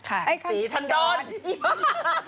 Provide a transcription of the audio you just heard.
อ้าวศรีธันดรงี่หรอ